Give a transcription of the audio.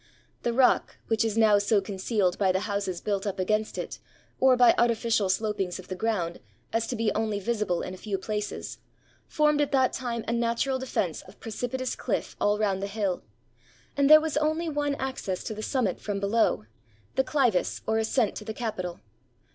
The rock, which is now so concealed by the houses built up against it, or by artificial slopings of the ground, as to be only visible in a few places, formed at that time a natural 320 THE GEESE THAT SAVED THE CAPITOL defense of precipitous cliff all round the hill; and there was one only access to the summit from below, the clivus or ascent to the Capitol.